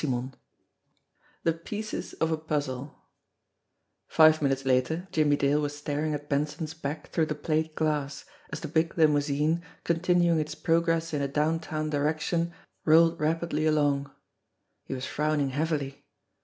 XXIII THE PIECES OF A PUZZLE FIVE minutes later Jimmie Dale was staring at Benson's back through the plate glass, as the big limousine, continuing its progress in a downtown direction, rolled rapidly along. He was frowning heavily.